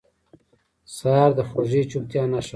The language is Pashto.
سهار د خوږې چوپتیا نښه ده.